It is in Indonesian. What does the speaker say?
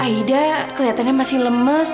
aida keliatannya masih lemes